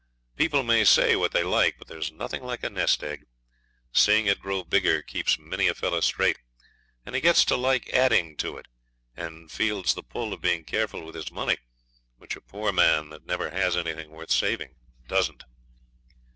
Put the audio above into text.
People may say what they like, but there's nothing like a nest egg; seeing it grow bigger keeps many a fellow straight, and he gets to like adding to it, and feels the pull of being careful with his money, which a poor man that never has anything worth saving doesn't.